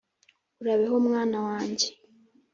urabeho mwana wanjye